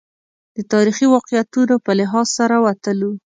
د تاریخي واقعیتونو په لحاظ سره وتلو.